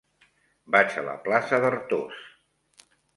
Vaig a la plaça d'Artós.